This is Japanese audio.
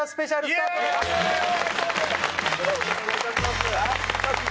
よろしくお願いいたしますさあ聞い